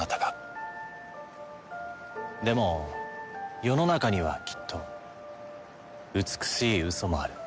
でも世の中にはきっと美しいウソもある。